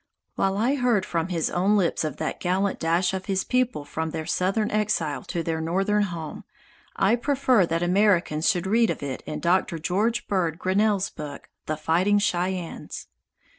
While I heard from his own lips of that gallant dash of his people from their southern exile to their northern home, I prefer that Americans should read of it in Doctor George Bird Grinnell's book, "The Fighting Cheyennes."